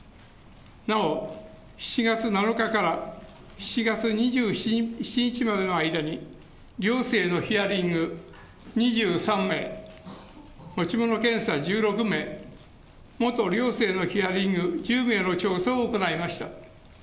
なお７月７日から７月２７日までの間に、寮生のヒアリング２３名、持ち物検査１６名、元寮生のヒアリング１０名の調査を行いました。